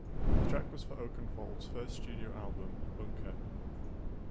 The track was for Oakenfold first solo studio album "Bunkka".